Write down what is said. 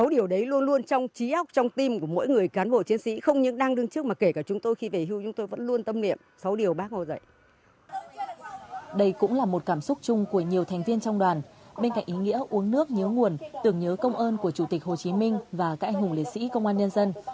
đây cũng là một cảm xúc chung của nhiều thành viên trong đoàn bên cạnh ý nghĩa uống nước nhớ nguồn tưởng nhớ công ơn của chủ tịch hồ chí minh và các anh hùng liệt sĩ công an nhân dân